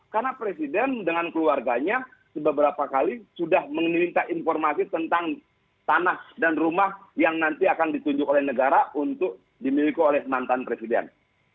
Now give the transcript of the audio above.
karena presiden dengan keluarganya sebeberapa kali sudah meminta informasi tentang tanah dan rumah yang nanti akan ditunjuk oleh negara untuk dimiliki oleh mantan presiden